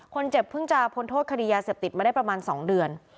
คนเจ็บเพิ่งจะพ้นโทษคดียาเสพติดมาได้ประมาณ๒เดือน